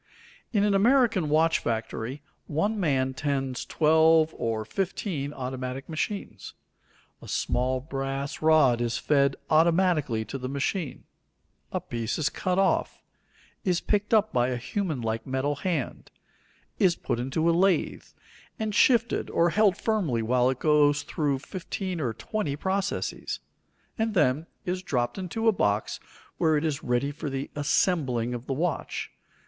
In an American watch factory one man tends twelve or fifteen automatic machines. A small brass rod is fed automatically to the machine; a piece is cut off, is picked up by a human like metal hand; is put into a lathe, and shifted or held firmly while it goes through fifteen or twenty processes; and then is dropped into a box where it is ready for the "assembling" of the watch.